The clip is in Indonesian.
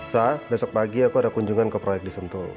sah besok pagi aku ada kunjungan ke proyek di sentul